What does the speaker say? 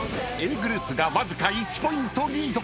ｇｒｏｕｐがわずか１ポイントリード］